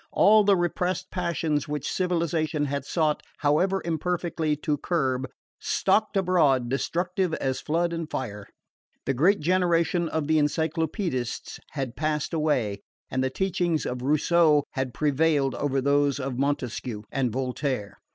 All the repressed passions which civilisation had sought, however imperfectly, to curb, stalked abroad destructive as flood and fire. The great generation of the Encyclopaedists had passed away, and the teachings of Rousseau had prevailed over those of Montesquieu and Voltaire.